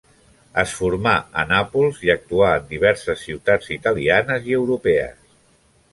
Es formà a Nàpols i actuà en diverses ciutats italianes i europees.